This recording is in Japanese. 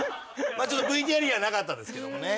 まあちょっとＶＴＲにはなかったですけどもね。